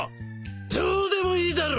どうでもいいだろ！